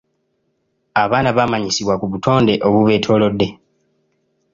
Abaana bamanyisibwa ku butonde obubeetoolodde.